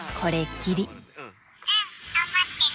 うん頑張ってね。